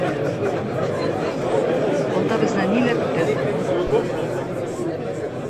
Алда безне ниләр көтә?